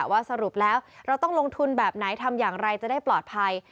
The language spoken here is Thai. ว่าสรุปแล้วเราต้องลงทุนแบบไหนทำอย่างไรจะได้ปลอดภัย